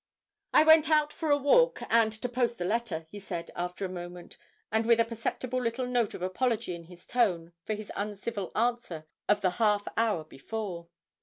"I went out for a walk and to post a letter," he said, after a moment, and with a perceptible little note of apology in his tone for his uncivil answer of the half hour before.